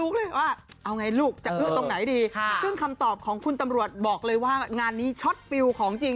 คุณคับคำตอบของคุณตำรวจบอกเลยว่างานนี้ชอตปิวของจริง